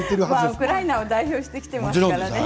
ウクライナを代表して来ていますからね。